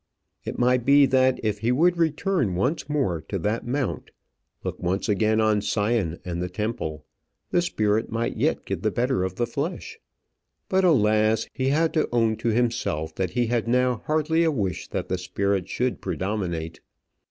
It might be, that if he would return once more to that mount, look once again on Sion and the temple, the spirit might yet get the better of the flesh. But, alas! he had to own to himself that he had now hardly a wish that the spirit should predominate.